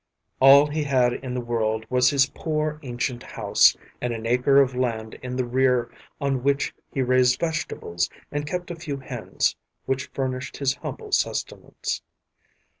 All he had in the world was his poor ancient house and an acre of land in the rear on which he raised vegetables and kept a few hens which furnished his humble sustenance.